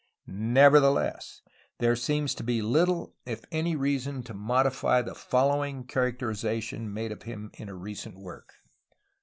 Nevertheless, there seems to be little if any reason to modify the following characterization made of him in a recent work.